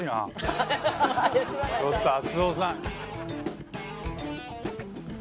ちょっと厚夫さん。